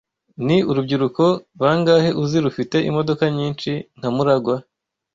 Ni urubyiruko bangahe uzi rufite imodoka nyinshi nka MuragwA?